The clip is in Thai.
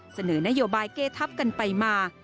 เสนอนโยบายเกทับกันไปมา